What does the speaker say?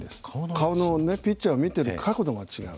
顔のピッチャーを見てる角度が違う。